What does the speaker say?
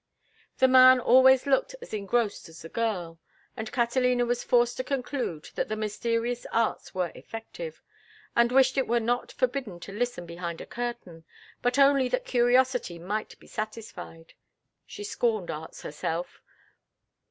The man had always looked as engrossed as the girl, and Catalina was forced to conclude that the mysterious arts were effective, and wished it were not forbidden to listen behind a curtain, but only that curiosity might be satisfied—she scorned arts herself.